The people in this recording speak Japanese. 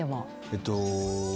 えっと